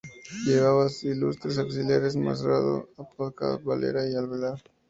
Llevaba ilustres auxiliares: Mazarredo, Apodaca, Varela y Alvear.